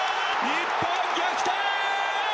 日本、逆転！